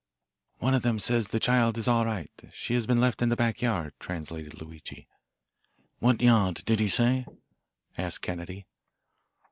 "One of them says the child is all right. She has been left in the back yard," translated Luigi. "What yard? Did he say?" asked Kennedy.